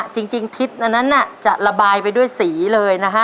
จริงทิศอันนั้นจะระบายไปด้วยสีเลยนะฮะ